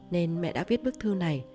nên mẹ đã viết bức thư này